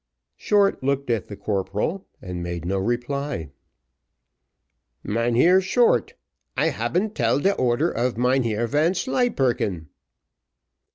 Short looked at the corporal, and made no reply. "Mynheer Short, I haben tell de order of Mynheer Vanslyperken."